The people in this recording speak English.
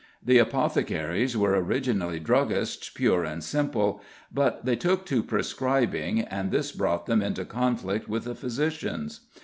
The apothecaries were originally druggists pure and simple, but they took to prescribing, and this brought them into conflict with the physicians.